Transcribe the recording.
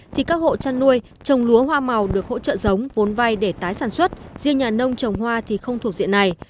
thì các hộ chăn nuôi trồng lúa hoa màu được hỗ trợ giống vốn vay để tái sản xuất riêng nhà nông trồng hoa thì không thuộc diện này